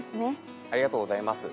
ありがとうございます。